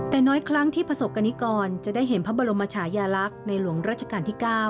แต่น้อยครั้งที่ประสบกรณิกรจะได้เห็นพระบรมชายาลักษณ์ในหลวงราชการที่๙